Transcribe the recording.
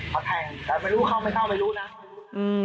ก็ไม่รู้เข้าไม่เข้าไม่รู้นะ